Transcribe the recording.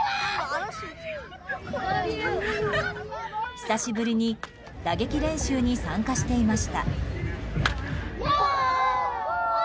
久しぶりに打撃練習に参加していました。